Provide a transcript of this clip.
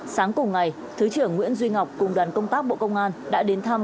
sáng cùng ngày thứ trưởng nguyễn duy ngọc cùng đoàn công tác bộ công an đã đến thăm